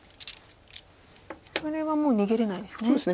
それはもう逃げれないんですね。